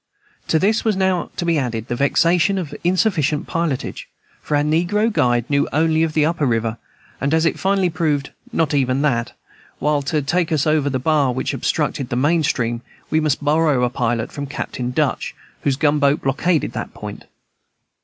To this was now to be added the vexation of an insufficient pilotage, for our negro guide knew only the upper river, and, as it finally proved, not even that, while, to take us over the bar which obstructed the main stream, we must borrow a pilot from Captain Dutch, whose gunboat blockaded that point.